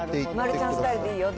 丸ちゃんスタイルでいいよ。